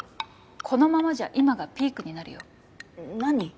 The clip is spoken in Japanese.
このままじゃ今がピークになるよ何？